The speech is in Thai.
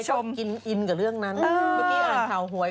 ชื่อขาวใหญ่